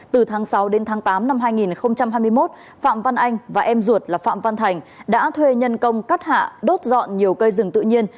từ tháng sáu đến tháng tám năm hai nghìn hai mươi một phạm văn anh và em ruột là phạm văn thành đã thuê nhân công cắt hạ đốt dọn nhiều cây rừng tự nhiên